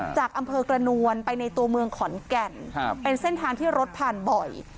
จากอำเภอกระนวลไปในตัวเมืองขอนแก่นเป็นเส้นทางที่รถผ่านบ่อย